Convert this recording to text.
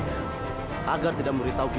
insya allah tidak ada apa apa